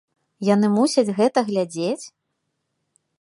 Яны мусяць гэта глядзець?